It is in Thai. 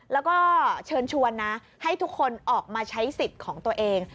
แล้วก็เชิญชวนนะให้ทุกคนออกมาใช้สิทธิ์ของตัวเอง